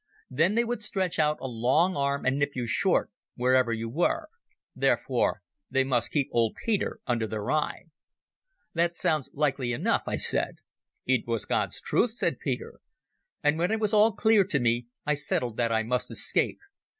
Then they would stretch out a long arm and nip you short, wherever you were. Therefore they must keep old Peter under their eye." "That sounds likely enough," I said. "It was God's truth," said Peter. "And when it was all clear to me I settled that I must escape.